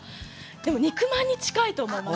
肉まんに近いと思います。